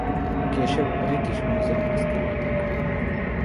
Később a British Múzeumhoz kerültek.